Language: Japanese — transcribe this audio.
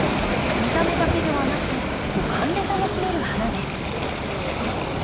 見た目だけではなく五感で楽しめる花です。